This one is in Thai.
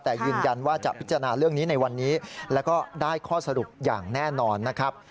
แต่ยืนยันว่าจะพิจารณาเรื่องนี้ในวันนี้แล้วก็ได้ข้อสรุปอย่างแน่นอนนะครับ